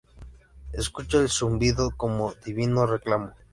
escucha el zumbido como Divino reclamo